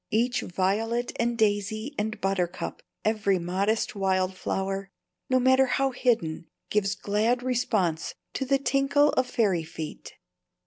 Each violet and daisy and buttercup, every modest wild flower (no matter how hidden) gives glad response to the tinkle of fairy feet.